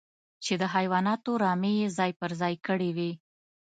چې د حيواناتو رمې يې ځای پر ځای کړې وې.